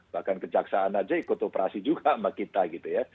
bahkan kejaksaan aja ikut operasi juga sama kita gitu ya